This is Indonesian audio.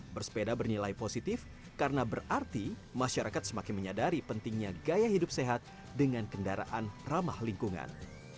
bersepeda bernilai positif karena berarti masyarakat semakin menyadari pentingnya gaya hidup sehat dengan kendaraan ramah lingkungan